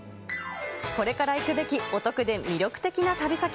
これから行くべきお得で魅力的な旅先。